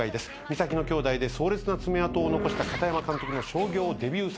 『岬の兄妹』で壮烈な爪痕を残した片山監督の商業デビュー作品。